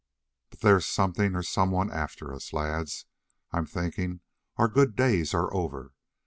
But there's something or someone after us. Lads, I'm thinking our good days are over.